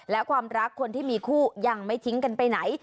และความรักคนที่มีคู่ยังไม่ทิ้งกันไปไหน